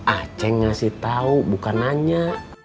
ah ceng ngasih tau bukan nanya